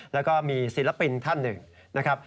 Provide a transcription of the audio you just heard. แล้วก็มีศิลปินท่านหนึ่งนะครับ